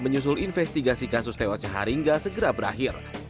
menyusul investigasi kasus tewasnya haring ghasirlah segera berakhir